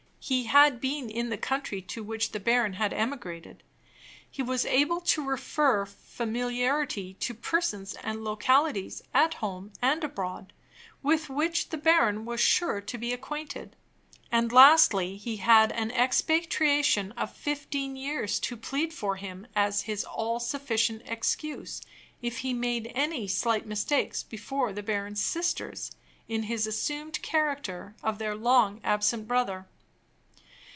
He had been in the country to which the baron had emigrated. He was able to refer familiarly to persons and localities, at home and abroad, with which the baron was sure to be acquainted. And, lastly, he had an expatriation of fifteen years to plead for him as his all sufficient excuse, if he made any slight mistakes before the baron's sisters, in his assumed character of their long absent brother.